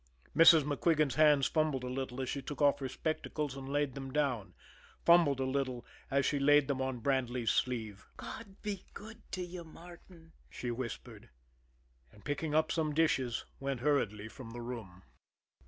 Mrs. MacQuigan's hands fumbled a little as she took off her spectacles and laid them down fumbled a little as she laid them on Bradley's sleeve. "God be good to you, Martin," she whispered, and, picking up some dishes, went hurriedly from the room.